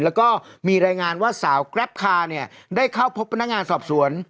แล้วก็มีรายงานว่าสาวแกรปคาเนี่ยได้เข้าพบพนักงานสอบสวน